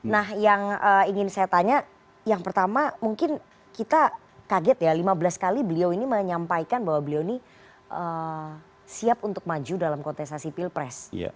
nah yang ingin saya tanya yang pertama mungkin kita kaget ya lima belas kali beliau ini menyampaikan bahwa beliau ini siap untuk maju dalam kontestasi pilpres